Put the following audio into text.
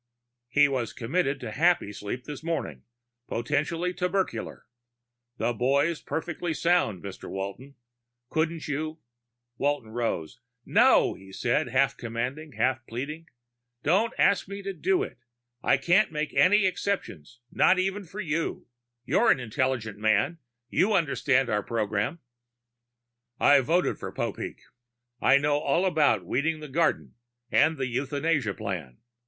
"He was committed to Happysleep this morning potentially tubercular. The boy's perfectly sound, Mr. Walton. Couldn't you " Walton rose. "No," he said, half commanding, half pleading. "Don't ask me to do it. I can't make any exceptions, not even for you. You're an intelligent man; you understand our program." "I voted for Popeek. I know all about Weeding the Garden and the Euthanasia Plan.